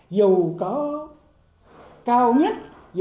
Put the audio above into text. dù có cao nhất